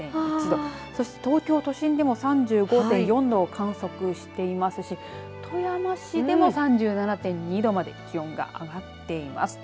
そして東京都心でも３５．４度を観測していますし富山市でも３７．２度まで気温が上がっています。